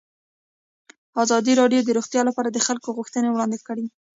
ازادي راډیو د روغتیا لپاره د خلکو غوښتنې وړاندې کړي.